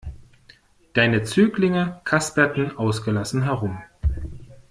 Deine Zöglinge kasperten ausgelassen herum.